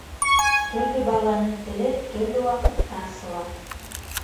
Төрлө баланың теле төрлө ваҡытта асыла.